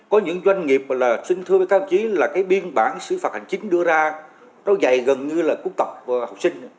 có những doanh nghiệp là xin thưa các bác chí là cái biên bản sử phạt hành chính đưa ra nó dày gần như là cung tập học sinh